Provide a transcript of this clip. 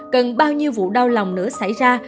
cần bao nhiêu vụ đau lòng nữa xảy ra